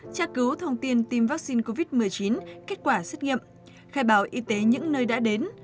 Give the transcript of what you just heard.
tra cứu thông tin tiêm vaccine covid một mươi chín kết quả xét nghiệm khai báo y tế những nơi đã đến